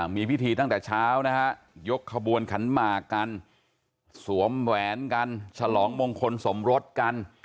มีพิธีตั้งแต่เช้านะฮะยกขบวนขันหมากกันสวมแหวนกันฉลองมงคลสมรสกัน